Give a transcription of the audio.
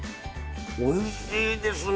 おいしいですな。